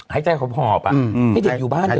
หายใจหอบให้เด็กอยู่บ้าน